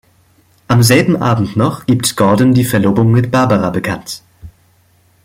Am selben Abend noch gibt Gordon die Verlobung mit Barbara bekannt.